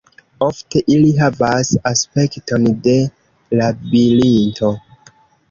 Ofte ili havas aspekton de labirinto.